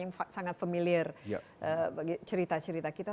yang sangat familiar cerita cerita kita